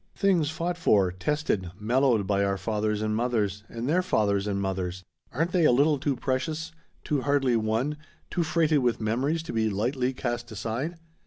Things fought for, tested, mellowed by our fathers and mothers, and their fathers and mothers? Aren't they a little too precious, too hardly won, too freighted with memories to be lightly cast aside?"